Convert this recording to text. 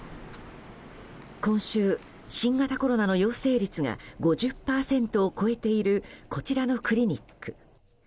今週、新型コロナの陽性率が５０％を超えているこちらのクリニック。